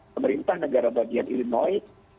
pemerintah negara bagian illinois